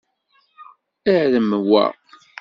Arem wa!